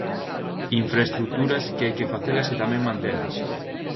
Infraestruturas que hai que facelas e tamén mantelas.